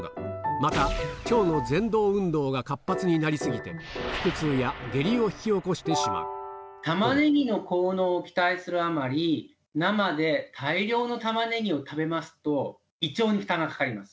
また、腸のぜん動運動が活発になり過ぎて、タマネギの効能を期待するあまり、生で大量のタマネギを食べますと、胃腸に負担がかかります。